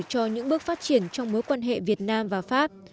cho những bước phát triển trong mối quan hệ việt nam và pháp